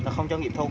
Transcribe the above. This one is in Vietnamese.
không cho nghiệp thu